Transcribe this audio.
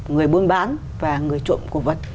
người buôn bán và người trộm của vật